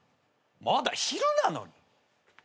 まだ昼なのに。